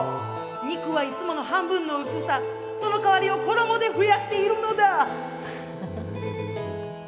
肉はいつもの半分の薄さ、そのかわりを衣で増やしているのだ。